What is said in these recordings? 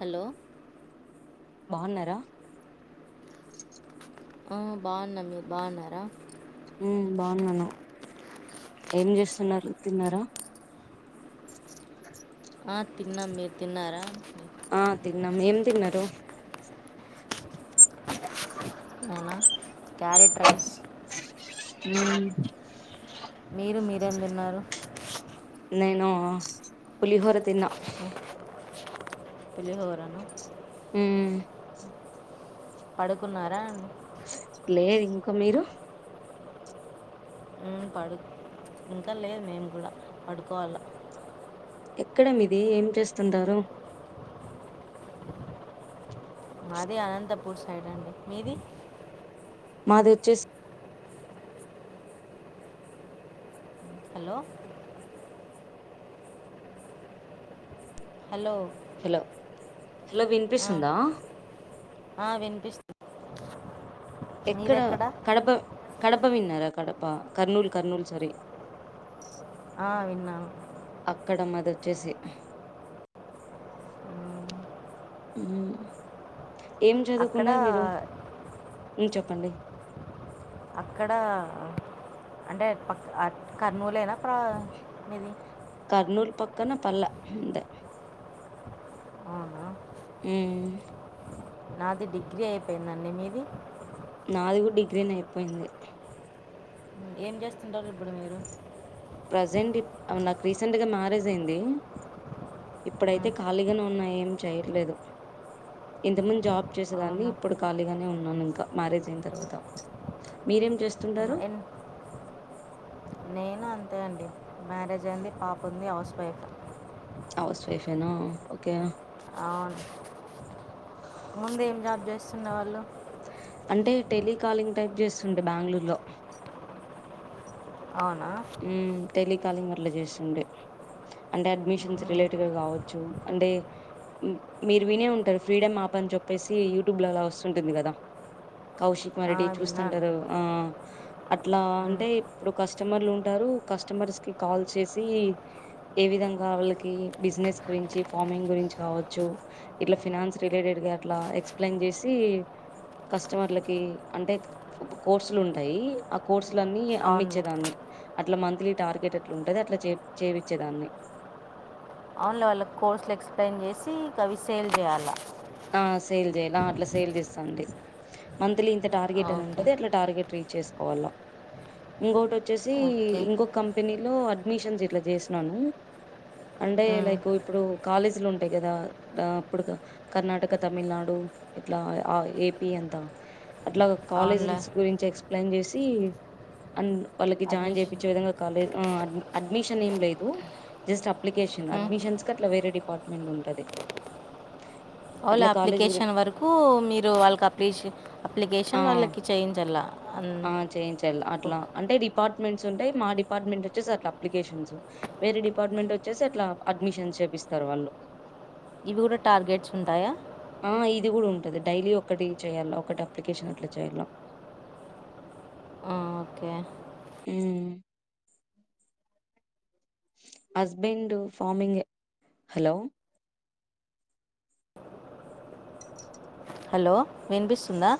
Hello బావున్నారా? ఆ బాగున్నాం మీరు బాగున్నారా? ఉమ్ బాగున్నాను. ఏం చేస్తున్నారు తిన్నారా? ఆ తిన్నాం మీరు తిన్నారా? ఆ తిన్నాము. ఏం తిన్నారు? అవునా క్యారెట్ రైస్ హ్మ్ మీరు మీరేందిన్నారు? నేను పులిహోర తిన్నా పులిహొరనా హ్మ్ పడుకున్నారా? లేదు ఇంక మీరు? ఉమ్ పడు ఇంకా లేదు మేము కూడా పడుకోవాల ఎక్కడ మీది ఏం చేస్తుంటారు? మాది అనంతపూర్ సైడ్ అండి మీది? మాది వచ్చేసి హలో హలో హలో హలో ఆ, వినిపిస్తుందా? ఆ, వినిపిస్తుంది ఎక్కడ మీదెక్కడ కడప కడప కడప విన్నార కడపా కర్నూల్ కర్నూల్ సారీ ఆ విన్నాను. అక్కడ మాది వచ్చేసి ఉమ్, ఉ ఏం అక్కడ చదువుకున్నారు మీరు ఊ చెప్పండి అక్కడ అంటే పక్కన కర్నూలు లేన ప్ర మీది కర్నూల్ పక్కన పల్లె అంతే అవునా ఉ నాది డిగ్రీ అయిపోయిందండి మీది నాది కూడా డిగ్రీనే అయిపోయింది ఏం చేస్తుంటారు ఇప్పుడు మీరు ప్రజెంట్ నాకు రీసెంట్గా మ్యారేజ్ అయింది ఇప్పుడైతే ఉమ్, ఖాళీగానే ఉన్నాయను ఏం చేయట్లేదు ఇంతక ముందు జాబ్ చేసేదాన్ని అవునా ఇప్పుడు ఖాళీగానే ఉన్నాను ఇంకా మ్యారేజ్ అయిన తర్వాత మీరేం చేస్తుంటారు నేనా మ్యారేజ్ అయింది పాప ఉంది హౌస్ వైఫ్ హౌస్ వైఫ ఏనా ఓకే అవున్ ముందు ఏం జాబ్ చేస్తున్ననే వాళ్ళు అంటే టెలికాలింగ్ టైప్ చేస్తుండే బెంగళూరు లో అవునా టెలికాలింగ్ అట్లా చేస్తుంటే అడ్మిషన్స్ రిలేటెడ్ గా కావచ్చు అంటే మీరు వినే ఉంటారు ఫ్రీడమ్ యాప్ అని చెప్పేసి యూట్యూబ్ లో అలా వస్తుంటుంది కదా కౌశిక్ ఆ, మరడి విన్నాను చూస్తుంటారు ఆ అట్లా ఉమ్, అంటే ఇప్పుడు కస్టమర్లు ఉంటారు కస్టమర్స్ కి కాల్ చేసి ఏ విధంగా వాళ్లకి బిజినెస్ గురించి ఫార్మింగ్ గురించి కావచ్చు ఇట్లా ఫినన్స్ రిలేటెడ్ ఇగ అట్లా ఎక్స్ప్లెయిన్ చేసి కస్టమర్లకి అంటే కోర్సులు ఉంటాయి ఆ కోర్సు లన్నీ అవునులే అమ్మచ్చేదాన్ని అట్లా మంత్లీ టార్గెట్ అట్లా ఉంటుది అట్లా చే చేపీచ్చేదాన్ని అన్లో వాళ్ళ కోర్సులు ఎక్స్ప్లెయిన్ చేసి ఇక అవి సేల్ చేయాలి సేల్ చేయలి అ అట్లా సేల్ చేస్తా అండి మంత్లీ ఇంత టార్గెట్ అని ఓకే ఉంటది అట్లా టార్గెట్ రీచ్ చేసుకోవాలా ఇంకోటి వచ్చేసి ఇంకో ఓకే కంపెనీ లో అడ్మిషన్స్ ఇట్లా చేసినాను అంటే లైక్ ఇప్పుడు కాలేజీలు ఉంటాయి కదా ఇప్పుడు కర్ణాటక తమిళనాడు ఇట్లా ఆ ఏపి అంత అట్లాగా కాలేజ్ అవునులే స్ గురించి ఎక్స్ప్లెయిన్ చేసి అండ్ వాళ్ళకి జాయిన్ అడ్మిషన్ చేపిచ్చే విధంగా కాలేదు అ అడ్మిషన్ ఏం లేదు జస్ట్ అప్లికేషన్ అడ్షన్స్ క అట్లా వేరే డిపార్ట్మెంట్ ఉంటది ఓన్లీ అట్లా కాలేజ్ గురి అప్లికేషన్ వరకు మీరు వాళ్ళకి అ ఫ్రీ అప్లికేషన్ ఆ వాళ్ళకి చేయించల ఆ చేయించల అట్లా అంటే డిపార్ట్మెంట్స్ ఉంటాయి మా డిపార్ట్మెంట్ వచ్చేసి అట్లా అప్లికేషన్స్ వేర డిపార్ట్మెంట్ వచ్చేసి అట్లా అడ్మిషన్స్ చేపిస్తారు వాళ్ళు ఇవి కూడా టార్గెట్స్ ఉంటాయా ఆ ఇది కూడా ఉంటుంది డైలీ ఒకటి చేయాల ఒకటి అప్లికేషన్ అట్లా చేయాల ఆ ఓకే ఏ హస్బెండ్ ఫార్మింగ్ హలో హలో వినిపిస్తుందా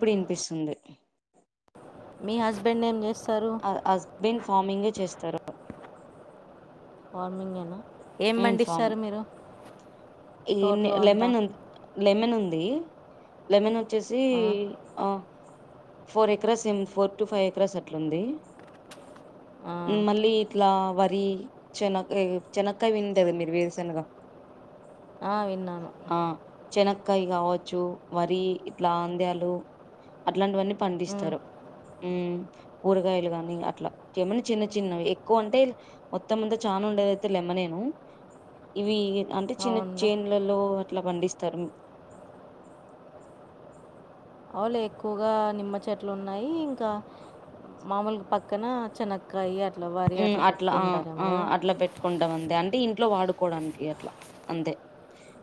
ఎప్పుడు అనిపిస్తుంది మీ హస్బెండ్ నేమ్ న హస్బెండ్ ఫార్మింగ్ే చేస్తారు వార్మింగ్ేనా ఏం హ్మ్. పండిస్తారు ఫార్మింగ్. మీరు తోటలో అంతా లెమెన్ ఉంది లెమెన్ వచ్చేసి ఆ, ఆ ఫోర్ ఎకరాస్ ఏం ఫోర్ టు ఫైవ్ ఎకరాస్ అట్లుంది ఆ, మళ్ళీ ఇట్లా వరి చెనక్ చెనక్ ఇకా వింటది మీరు వేరుశనగా ఆవిన్నాను కకాయ కావచ్చు వరి ఇట్లా ఆంద్యాలు అట్లాంటివన్నీ ఉమ్, పండిస్తారు ఉ కూరగాయలు గాని అట్లా ఏమనా చిన్న చిన్నవి ఎక్కువ అంటే మొత్తం ముంతా చాల ఉండద తెలెమనే ఇవి అంటే చిన్న అవునులే చేన్లలో అట్లా పండిస్తారు అవులే ఎక్కువగా నిమ్మ చెట్లు ఉన్నాయి ఇంకా మాముూలుకి పక్కన చెనకాయ అ యిఅట్లా ఆ ఆ అట్లా పెట్టుకుంటా ఉంది అంటే ఇ ఇంట్లో వాడుకోవడానికి అట్లా అంతే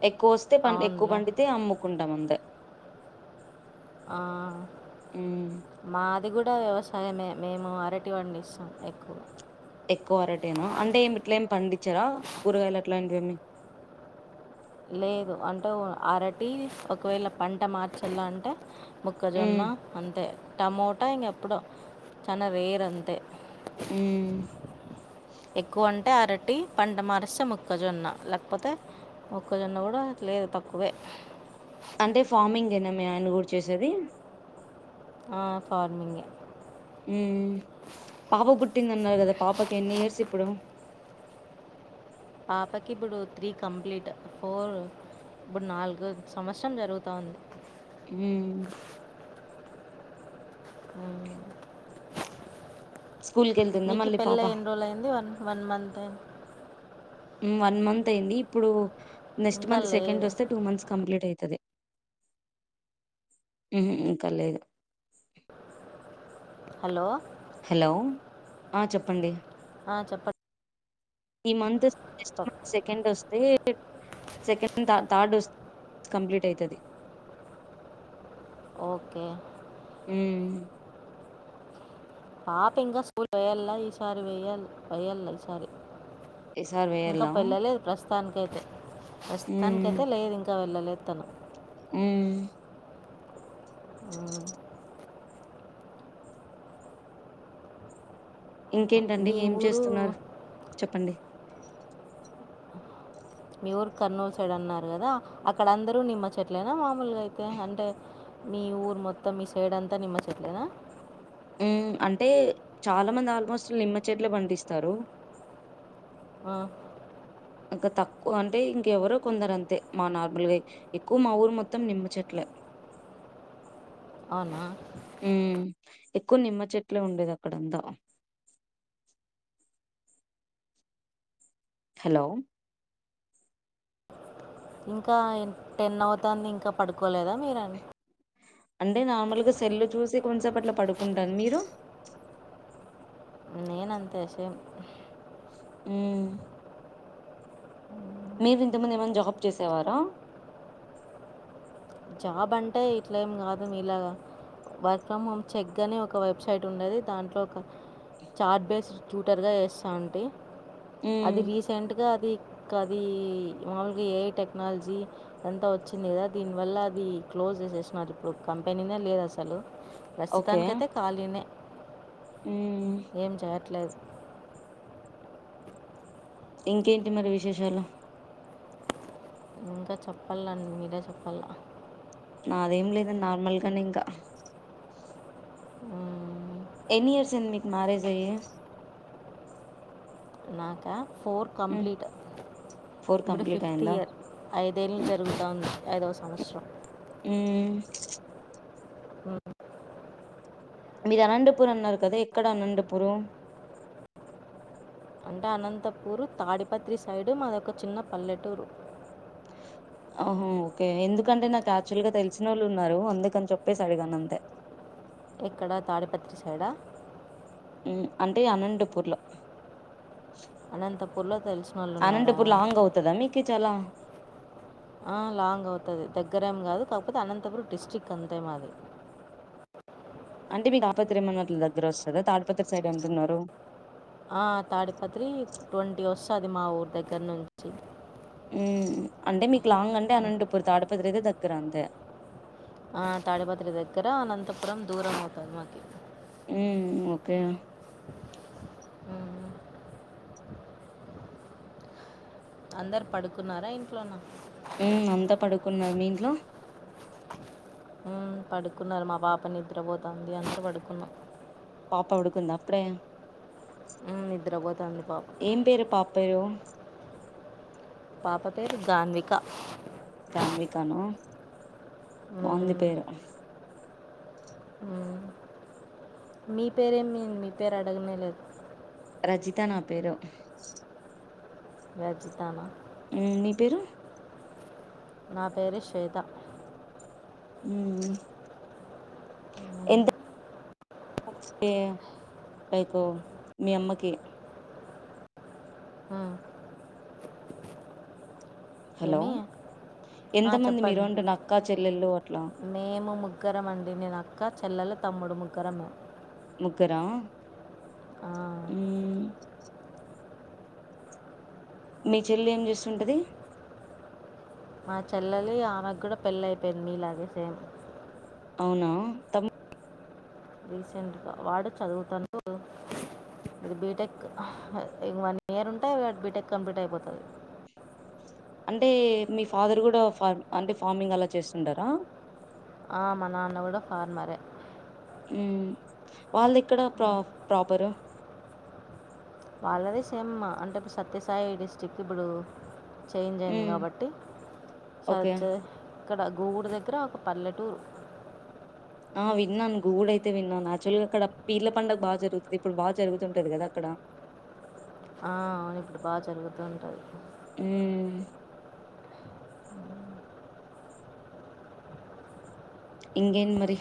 ఎక్కువ వస్తే ఎక్కువ అవునులే పండితే అమ్ముకుంటాం అ స ఆ ఉమ్ మాదిగూడ వ్యవసాయమే మేము అరటి పండిస్తాం ఎక్కువ ఎక్కువ అరటేను అంటే ఏమి ఇట్లా ఏమి పండించరాా కూరగాయలు అట్లాంటివి ఏేమి లేదు అంటే అరటి ఒకవేళ పంట మార్చలా అంటే ముక్కజొన్న ఉమ్ అంతే టమోటా ఇంక ఎప్పుడో చాలా రేర్ అంతే ఉ ఎక్కువ అంటే అరటి పంట మారస్త ముక్కజొన్న లేకపోతే మొక్కలున్న కూడా అ లేదు తక్కువే ఇదినా మీ ఆయన్న కూడా చేసేది ఆ ఫార్మింగ్ ఉపాప పుట్టింది అన్నారు కదా పాపకి ఎన్ని ఇయర్స్ అప్పుడు పాపకి ఇప్పుడు త్రీ కంప్లీట్ ఫోర్ ఇప్పుడు నాలుగు సంవత్సరం జరుగుతా ఉంది హ అ స్కూల్ కెళ్తుందా మళ్ళీ మీకిపెళ్ల పాప ఎన్్రోల్ అయి్దువన్ వన్ మంత్ వన్ మంత్ అయింది ఇప్పుడు నెక్స్ట్ ఇంకా మంత్ సెకండ్ లేదు. వస్తే టూ మంత్స్ కంప్లీట్ అయింది అదె ఇంక ఇదు హలో హలో ఆ చెప్పండి ఆ చెప్పండ్ ఈ మంత్ జస్ట్ మంత్ సెకండ్ వస్తే సెకండ్ థ థర్డ్ వస్తే కంప్లీట్ అవుతది. ఓకే మ్మ్ పాప ఇంకా స్కూల్ వెయ్యల్లా ఈసారి వేయాలి వెయ్యాలి ఈసారి ఈసారి ఇంకా వేయాలా పెళ్లలే ప్రస్తు తానికైతే ప్రస్తుతానికైతే లేదు ఇంకా వెళ్ళలేదు తను హ్మ్ హ్మ్. [unintelligible] ఇంకేంటండి మీ ఏం ఊరు చేస్తున్నారు చెప్పండి మీ ఊరు కర్నూలు సైడ్ అన్నారు కదా అక్కడ అందరూ నిమ్మ చెట్లనా మా మి నార్మల్గా అయితే అంటే మీ ఊరు మొత్తం మీ సైడ్ అంతా నిమ్మచ్చట్లేనా ఉ అంటే చాలా మంది ఆల్మోస్ట్ నిమ్మ చెట్లు పండిస్తారు ఆ ఇంకా తక్కువ అంటే ఇంకెవరో కొందరు అంతే మా నార్మల్ గా ఎక్కువ మా ఊరు మొత్తం నిమ్మ చెట్లే అవ్నా హ్మ్. ఎక్కువ నిమ్మ చెట్లే ఉండేది అక్కడంతా హలో ఇంకా టెన్ అవుతాంది ఇంకా పడుకోలేదా మీరండి అంటే నార్మల్గా సెల్లు చూసి కొంతసేప అట్లా పడుకుంటాను మీరు నేనంతే సేమ్ మ్మ్ మీరు ఇంత ముందు ఏమైనా జాబ్ చేసేవారా జాబ్ అంటే ఇట్లా ఏం కాదు మీ ఇలాగా వర్క్ ఫ్రమ్ హోమ్ చెక్ అని ఒక వెబ్సైట్ ఉండది దాంట్లో ఒక చార్ట్ బేస్డ్ ట్యూటర్గా చేస్తా ఉంటి హ్మ్. అది రీసెంట్గా అది ఇంకా అది మామూలుగా ఏ ఐ టెక్నాలజీ అంతా వచ్చింది కదా దీన్ వల్ల అది క్లోజ్ చేసేస్నారు ఇప్పుడు కంపెనీనే లేదు అసలు ఓకే. ప్రస్తుతానికైతే ఖాళినే హ్మ్. ఏం చేయట్లేదు ఇంకేంటి మరి విశేషాలు ఇంకా చెప్పాలండ్ మీరే చెప్పాల నాదేం లేదు నార్మల్గానే ఇంకా ఆ ఎన్ ఇయర్స్ అయ్యింది మీకు మారేజ్ అయ్యి నాకా ఫోర్ హ్మ్. కంప్లీట్ ఇప్పుడు కంప్లీట్ ఫిఫ్త్ అయిందా? ఇయర్ ఐదేళ్ళు జరుగుతాఉంది ఐదో సంవత్సరం హ్మ్ హూ ఉ మీరు అనంతపూర్ అన్నారు కదా ఎక్కడ అనంతపూర్ అంటే అనంతపూర్ తాడిపత్రి సైడు మాదొక చిన్న పల్లెటూరు ఆహ ఓకే ఎందుకంటే నాకు యాక్చువల్ గా తెలిసిన వాళ్ళు ఉన్నారు అందుకని చెప్పేసి అడిగాను అంతే ఎక్కడ తాడిపత్రి సైడా మ్మ్ అంటే అనంతపూర్లో అనంతపూర్లో తెలిసిన వాళ్ళు ఉన్నారా అనంతపూర్ లాంగ్ అవుతదా మీకి చాలా ఆ లాంగ్ అవుతది దగ్గరేం గాదు కాకపోతే అనంతపురం డిస్టిక్ అంతే మాది [inaudible] అంటే మీ తాపత్ర ఏమన్న అట్ల దగ్గర వస్తదా తాడిపత్రి సైడ్ అంటున్నారు ఆ తాడిపత్రి ట్వంటీ వస్తది మా ఊరు దగ్గర నుంచి ఉమ్ అంటే మీకు లాంగ్ అంటే అనంతపూర్ తాడిపత్రి అయితే దగ్గర అంతే ఆ తాడిపత్రి దగ్గర అనంతపురం దూరం అవుతది మాకి ఉమ్ ఓకే ఉమ్. అందరు పడుకున్నారా ఇంట్లోన ఉమ్ అంతా పడుకున్నారు మీ ఇంట్లో ఉమ్ పడుకున్నారు మా పాప నిద్రబోతోంది అంతా పడుకున్నాం పాప పడుకుందా అప్పుడే ఉమ్, నిద్రపోతుంది పాప ఏం పేరు పాప పేరు పాప పేరు గాన్విక గాన్వికానా బాగుంది ఉమ్, పేరు ఉమ్ మీ పేరేమీ మీ పేరు అడగనేలేదు రజిత నా పేరు రజితనా ఉమ్ నీ పేరు నా పేరు శ్వేత ఉమ్ ఉమ్, ఎంత లైక్ మీ అమ్మకి ఉమ్. హలో ఏమి ఆ ఎంత మంది మీరు చెప్పండి అంటున్న అక్క చెల్లెళ్ళు అట్లా మేము ముగ్గురం అండి నేనక్క ఇంకా చెల్లెలు తమ్ముడు ముగ్గురమే ముగ్గురా ఉమ్ మీ చెల్లె ఏం జేస్తుంటది మా చెల్లెలి ఆమెకు గూడా పెళ్ళై పోయింది నీలాగే సేమ్ అవునా తమ్ రీసెంట్గా వాడు చదువుతాండు ఇది బీటెక్ ఇగ వన్ ఇయర్ ఉంటే బీటెక్ కంప్లీట్ అయిపోతది అంటే మీ ఫాదర్ గూడా ఫార్ అంటే ఫార్మింగ్ అలా చేస్తుంటారా ఆ మా నాన్న గూడా ఫార్మరే ఉమ్ వాళ్ళ ఎక్కడ ప్రా ప్రాపరు వాళ్ళది సేమ్ అంటే ఇప్పుడు సత్యసాయి డిస్టిక్ ఇప్పుడు చేంజ్ అయింది మ్మ్ గాబట్టి ఓకే సర్చ్ ఇక్కడ గోగూడు దగ్గర ఒక పల్లెటూరు ఆ విన్నాను గోగూడ అయితే విన్నాను యాక్చువల్గా అక్కడ పీర్ల పండగ బాగా జరుగుతది ఇప్పుడు బాగా జరుగుతుంటది గదా అక్కడ ఆ అవును ఇప్పుడు బాగా జరుగుతూంటది ఉమ్ ఇంగేంది మరి